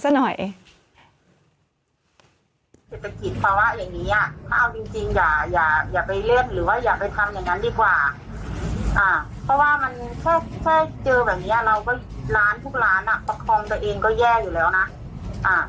ใช่ร้านเราอีกมันก็มีผลน่ะไม่ใช่ว่าแค่แค่เรื่องแค่นี้อ่ะ